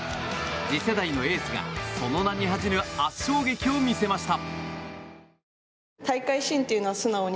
次世代のエースがその名に恥じぬ圧勝劇を見せました。